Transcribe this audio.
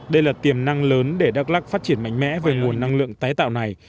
đây là tiềm năng lớn để đắk lắc phát triển mạnh mẽ về nguồn năng lượng tái tạo này